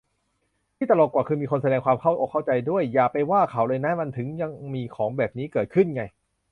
ที่ตลกกว่าคือ มีคนแสดงความเข้าอกเข้าใจด้วย !"อย่าไปว่าเขาเลยนะ" มันถึงยังมีของแบบนี้เกิดขึ้นไง